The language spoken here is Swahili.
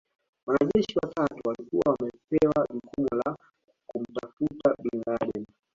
Wanajeshi watatu walikuwa wamepewa jukumu la kumtafuta Bin Laden